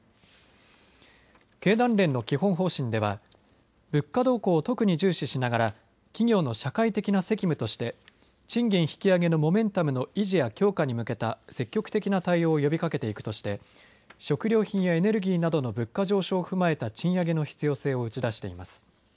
経団連の基本方針では物価動向を特に重視しながら企業の社会的な責務として賃金引き上げのモメンタムの維持や強化に向けた積極的な対応を呼びかけていくとして食料品やエネルギーなどの物価上昇を踏まえた賃上げの必要性を打ち出しています。